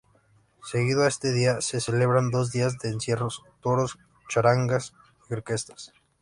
Seguido a este día se celebran dos días de encierros, toros, charangas y orquestas.